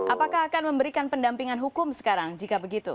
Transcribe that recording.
apakah akan memberikan pendampingan hukum sekarang jika begitu